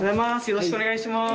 よろしくお願いします。